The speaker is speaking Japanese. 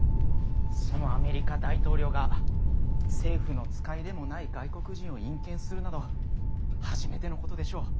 そのアメリカ大統領が政府の使いでもない外国人を引見するなど初めてのことでしょう。